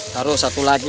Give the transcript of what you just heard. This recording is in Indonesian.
taruh satu lagi nih